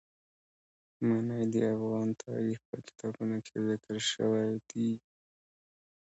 منی د افغان تاریخ په کتابونو کې ذکر شوی دي.